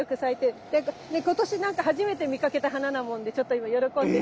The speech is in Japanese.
っていうか今年なんか初めて見かけた花なもんでちょっと今喜んでる。